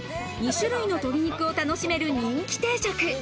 ２種類の鶏肉を楽しめる人気定食。